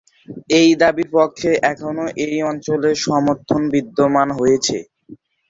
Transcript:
এই দাবির পক্ষে এখনো এই অঞ্চলে সমর্থন বিদ্যমান রয়েছে।